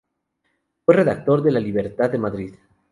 Fue redactor de "La Libertad" de Madrid.